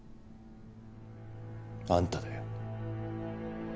あんただよ。